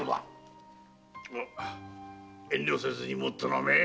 遠慮せずにもっと呑め。